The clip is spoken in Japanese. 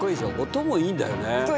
音もいいんだよね。